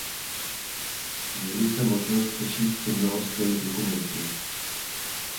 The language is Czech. Měli jsme možnost přečíst si mnoho skvělých dokumentů.